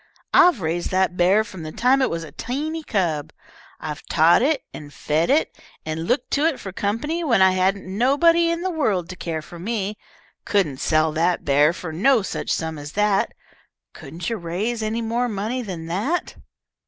"I've raised that bear from the time it was a teeny cub. I've taught it, and fed it, and looked to it for company when I hadn't nobody in the world to care for me. Couldn't sell that bear for no such sum as that. Couldn't you raise any more money than that?"